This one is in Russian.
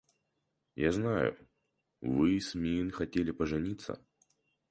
Я знаю, вы с Мин хотели пожениться.